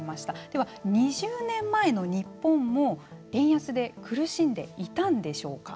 では、２０年前の日本も円安で苦しんでいたんでしょうか。